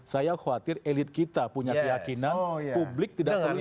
saya khawatir elit kita punya keyakinan publik tidak perlu yang rumit